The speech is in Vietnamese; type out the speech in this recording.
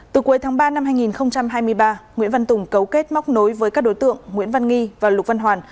từ cuối tháng ba năm hai nghìn hai mươi ba nguyễn văn tùng cấu kết móc nối với các đối tượng nguyễn văn nghi và lục văn hoàn